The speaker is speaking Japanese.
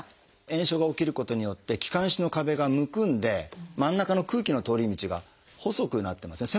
炎症が起きることによって気管支の壁がむくんで真ん中の空気の通り道が細くなってますね。